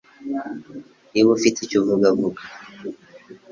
Niba ufite icyo uvuga, vuga